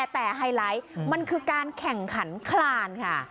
แต่ไฮไลท์มันคือการแข่งขันคลานค่ะ